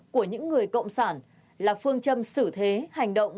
của những người cộng sản là phương châm xử thế hành động